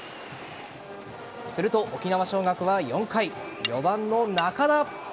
すると、沖縄尚学は４回４番の仲田。